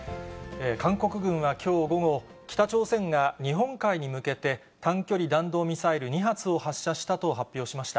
韓国軍はきょう午後、北朝鮮が日本海に向けて、短距離弾道ミサイル２発を発射したと発表しました。